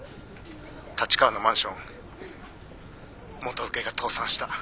立川のマンション元請けが倒産した。